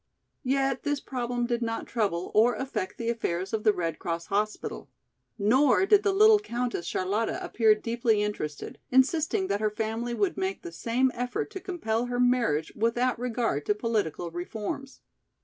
Yet this problem did not trouble or affect the affairs of the Red Cross hospital. Nor did the little Countess Charlotta appear deeply interested, insisting that her family would make the same effort to compel her marriage without regard to political reforms.